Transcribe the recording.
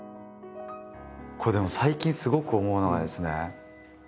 これでも最近すごく思うのがですね